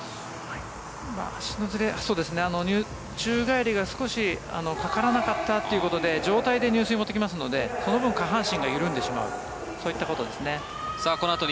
足のずれ、宙返りが少しかからなかったということで上体で入水に持ってきますのでその分下半身が緩んでしまうと。